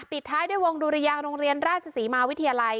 ปิดท้ายด้วยวงดุรยางโรงเรียนราชศรีมาวิทยาลัย